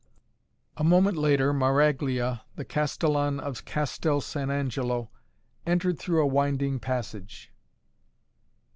A moment later Maraglia, the Castellan of Castel San Angelo, entered through a winding passage.